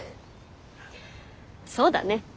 そうだね。